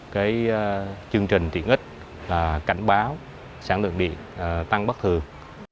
cái chương trình tiện ích là cảnh báo sản lượng điện tăng bất thường